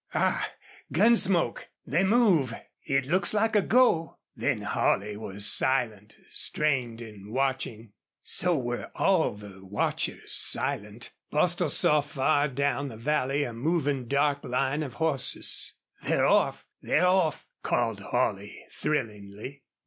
Ah! gun smoke! They move.... It looks like a go." Then Holley was silent, strained, in watching. So were all the watchers silent. Bostil saw far down the valley a moving, dark line of horses. "THEY'RE OFF! THEY'RE OFF!" called Holley, thrillingly.